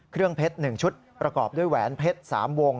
เครื่องเพชร๑ชุดประกอบด้วยแหวนเพชร๓วง